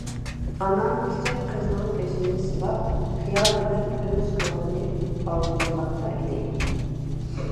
ئانا كىچىك قىزىنىڭ بېشىنى سىلاپ خىيال بىلەن ئۆز كۆڭلىنى ئاۋۇندۇرماقتا ئىدى.